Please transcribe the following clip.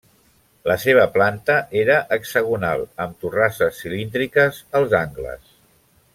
La seva planta era hexagonal, amb torrasses cilíndriques als angles.